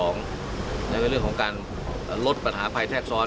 แล้วก็เรื่องของการลดปัญหาภัยแทรกซ้อน